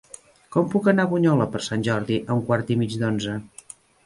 Com puc anar a Bunyola per Sant Jordi a un quart i mig d'onze?